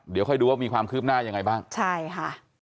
เดี๋ยวค่อยดูว่ามีความคืบหน้ายังไงบ้างใช่ค่ะ